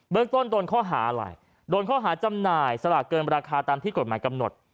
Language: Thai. ต้นโดนข้อหาอะไรโดนข้อหาจำหน่ายสลากเกินราคาตามที่กฎหมายกำหนด